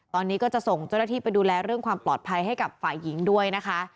ตอนนี้ก็จะส่งเจ้าหน้าที่ไปดูแลเรื่องความปลอดภัยให้กับฝ่ายหญิงด้วยนะคะ